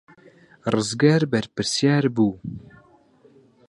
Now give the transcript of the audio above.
ڕزگار بەرپرسیار بوو.